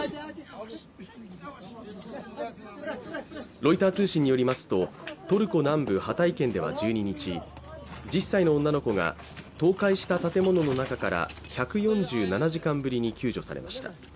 ロイター通信によりますとトルコ南部ハタイ県では１２日、１０歳の女の子が倒壊した建物の中から１４７時間ぶりに救助されました。